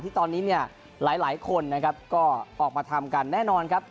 ที่ตอนนี้หลายคนก็ออกมาทำกันแน่นอนครับ